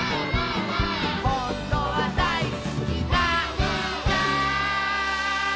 「ほんとはだいすきなんだ」